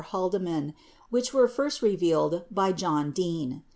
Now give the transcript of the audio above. Haldeman which were first revealed by J ohn Dean.